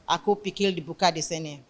aku pikir dibuka di sini